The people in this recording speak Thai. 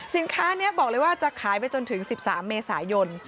สินค้านี้บอกเลยว่าจะขายไปจนถึง๑๓เมษายน